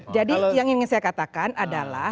jadi yang ingin saya katakan adalah